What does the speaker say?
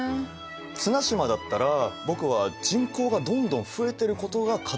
綱島だったら僕は人口がどんどん増えてることが課題かなと思ったね。